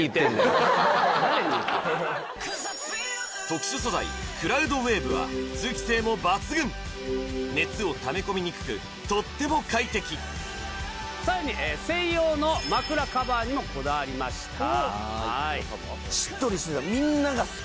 特殊素材クラウドウェーブは通気性も抜群熱をためこみにくくとっても快適さらに専用の枕カバーにもこだわりました